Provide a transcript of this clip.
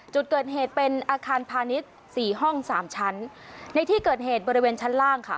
จุดเกิดเหตุเป็นอาคารพาณิชย์สี่ห้องสามชั้นในที่เกิดเหตุบริเวณชั้นล่างค่ะ